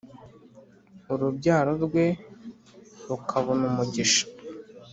Urubyaro rwe rukabona umugisha